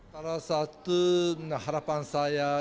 salah satu harapan saya